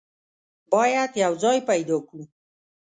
بايد يو ځای پيدا کو.